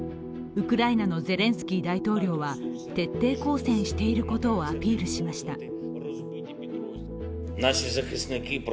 ウクライナのゼレンスキー大統領は徹底抗戦していることをアピールしました。